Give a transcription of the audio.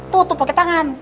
tutup pake tangan